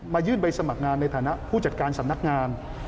ยื่นใบสมัครงานในฐานะผู้จัดการสำนักงาน